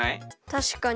たしかに。